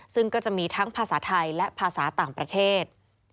ซึ่งก็จะมีทั้งภาษาไทยและภาษาต่างประเทศ